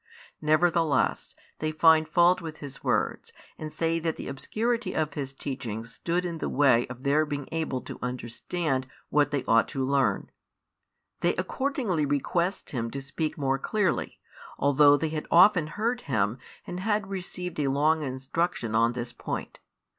Nevertheless they find fault with His words, and say that the obscurity of His teaching stood in the way of their being able to understand what they ought to learn. They accordingly request Him to speak more clearly, although they had often heard Him and had received a long instruction on this point.